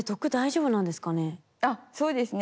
あっそうですね。